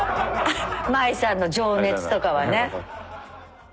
まいさんの情熱とかはね。